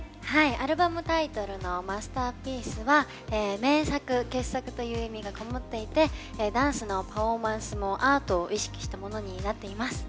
アルバムタイトルの「Ｍａｓｔｅｒｐｉｅｃｅ」は「名作」「傑作」という意味が籠もっていてダンスのパフォーマンスもアートを意識したものになっています。